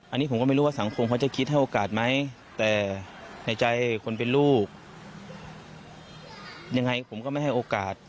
อันนี้ผมก็ไม่รู้ว่าสังคมเขาจะคิดให้โอกาสไหมแต่ในใจคนเป็นลูกยังไงผมก็ไม่ให้โอกาส